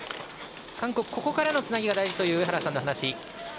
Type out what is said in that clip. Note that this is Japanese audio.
韓国、ここからのつなぎが大事という上原さんの話。